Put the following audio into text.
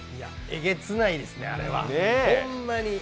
えげつないですね、あれはホンマに。